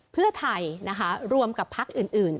เพื่อไทยนะคะรวมกับพักอื่น